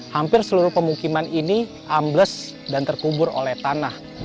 hampir seluruh pemukiman ini ambles dan terkubur oleh tanah